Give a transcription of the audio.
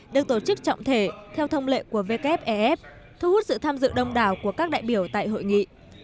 được tổ chức trọng thể theo thông lệ của wef thu hút sự tham dự đông đảo của các đại biểu tại hội nghị